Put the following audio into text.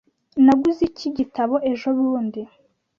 Naguze iki gitabo ejobundi .